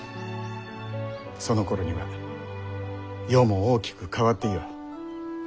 そのころには世も大きく変わっていよう。